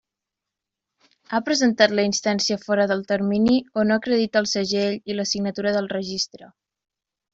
Ha presentat la instància fora del termini o no acredita el segell i la signatura del registre.